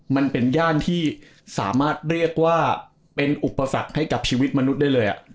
มันเป็นย่านที่สามารถเรียกว่าเป็นอุปสรรคให้กับชีวิตมนุษย์ได้เลย